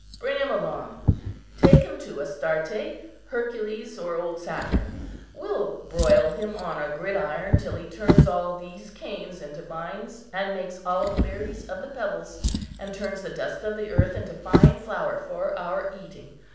Bring him along; take him to Astarte, Hercules, or old Saturn. We'll broil him on a gridiron till he turns all these canes into vines, and makes olive berries of the pebbles, and turns the dust of the earth into fine flour for our eating.